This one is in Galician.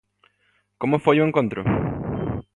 Como foi o encontro?